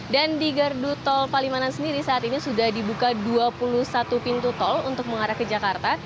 dan di gerdo tol palimanan sendiri saat ini sudah dibuka dua puluh satu pintu tol untuk mengarah ke jakarta